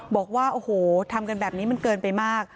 บอกว่าโอ้โหทำกันแบบนี้มันเกินไปมาก